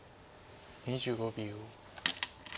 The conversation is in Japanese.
２５秒。